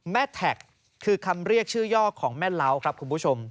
แท็กคือคำเรียกชื่อย่อของแม่เล้าครับคุณผู้ชม